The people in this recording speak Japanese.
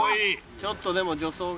ちょっとでも助走が。